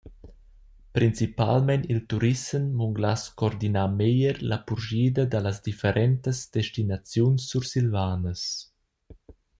Principalmein il turissem munglass coordinar meglier la purschida dallas differentas destinaziuns sursilvanas.